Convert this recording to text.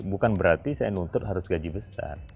bukan berarti saya nuntut harus gaji besar